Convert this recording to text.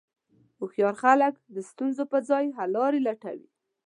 هوښیار خلک د ستونزو پر ځای حللارې لټوي.